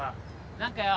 何かよ